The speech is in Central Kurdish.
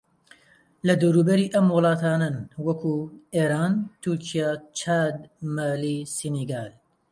لە دەوروبەری ئەم وڵاتانەن وەکوو: ئێران، تورکیا، چاد، مالی، سینیگال